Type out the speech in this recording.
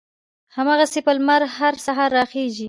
هغسې به لمر هر سهار را خېژي